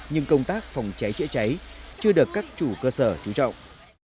nhưng công tác phòng cháy chữa cháy chưa được các chủ cơ sở chú trọng